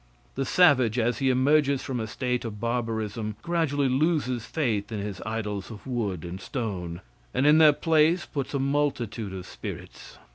The savage as he emerges from a state of barbarism, gradually loses faith in his idols of wood and stone, and in their place puts a multitude of spirits.